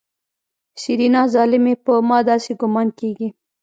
سېرېنا ظالمې په ما داسې ګومان کېږي.